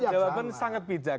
jawaban sangat bijak